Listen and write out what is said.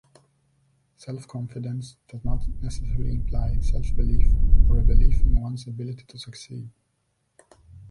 Self-confidence does not necessarily imply "self-belief" or a belief in one's ability to succeed.